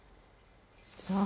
そう。